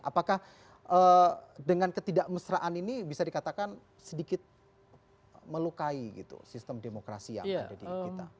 apakah dengan ketidakmesraan ini bisa dikatakan sedikit melukai gitu sistem demokrasi yang ada di kita